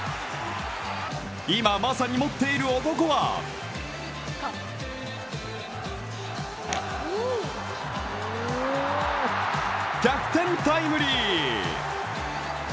今まさに持っている男は逆転タイムリー。